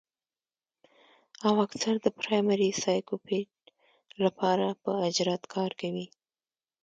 او اکثر د پرائمري سايکوپېت له پاره پۀ اجرت کار کوي